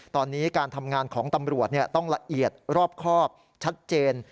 ตอนนี้การทำงานของตำรวจต้องละเอียดรอบครอบชัดเจน